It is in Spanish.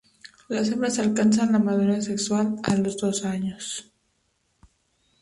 Las hembras alcanzan la madurez sexual a los dos años.